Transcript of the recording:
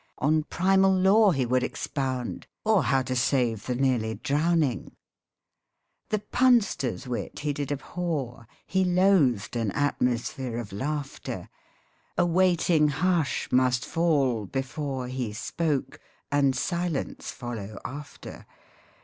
On " primal law " he would expound, Or how to save the nearly drowning. MEN I MIGHT HAVE MARRIED The punster's wit he did abhor, He loathed an atmosphere of laughter, A waiting hush must fall before He spoke, and silence follow after.